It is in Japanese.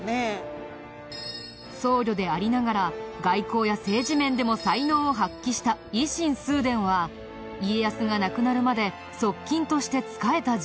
僧侶でありながら外交や政治面でも才能を発揮した以心崇伝は家康が亡くなるまで側近として仕えた人物。